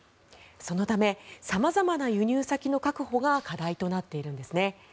そのため、様々な輸入先の確保が課題となっているんです。